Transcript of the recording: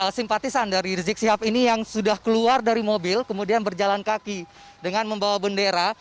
simpatisan dari rizik sihab ini yang sudah keluar dari mobil kemudian berjalan kaki dengan membawa bendera